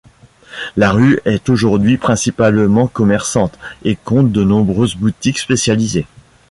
La rue est aujourd'hui principalement commerçante, et compte de nombreuses boutiques spécialisées.